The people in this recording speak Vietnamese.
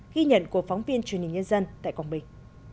ghi nhận của phóng viên truyền hình nhân dân tại quảng bình